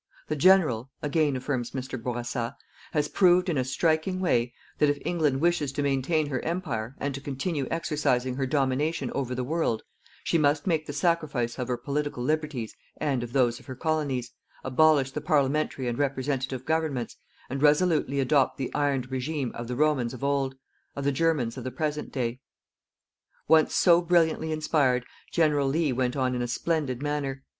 The General_, again affirms Mr. Bourassa, _has proved in a striking way that if England wishes to maintain her Empire and to continue exercising her domination over the world she must make the sacrifice of her political liberties and of those of her Colonies, abolish the Parliamentary and Representative Governments and resolutely adopt the ironed regime of the Romans of old, of the Germans of the present day_. Once so brilliantly inspired, General Lea went on in a splendid manner.